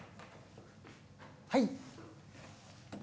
はい。